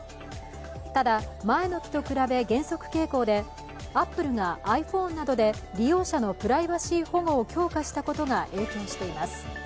ただ、前の期と比べ減速傾向で、アップルがｉＰｈｏｎｅなどで利用者のプライバシー保護を強化したことが影響しています。